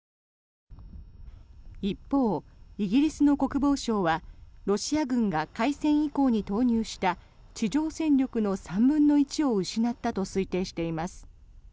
一方、イギリスの国防省はロシア軍が開戦以降に投入した地上戦力の３分の１を失ったと推定しています。